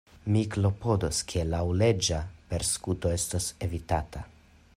Mi klopodos, ke laŭleĝa persekuto estos evitata.